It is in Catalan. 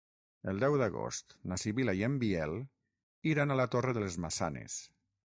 El deu d'agost na Sibil·la i en Biel iran a la Torre de les Maçanes.